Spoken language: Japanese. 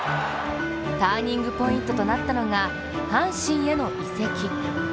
ターニングポイントとなったのが、阪神への移籍。